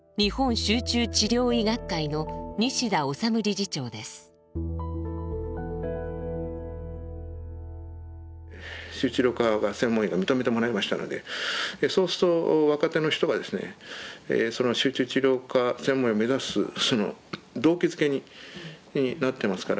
集中治療科が専門医が認めてもらいましたのでそうすると若手の人がですねその集中治療科専門医を目指す動機づけになってますから。